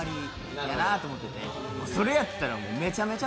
それやったら。